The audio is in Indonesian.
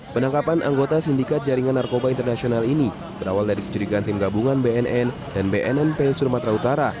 penangkapan anggota sindikat jaringan narkoba internasional ini berawal dari kecurigaan tim gabungan bnn dan bnnp sumatera utara